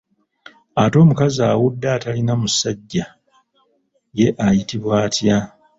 Ate omukazi awudde atalina musajja ye ayitibwa atya?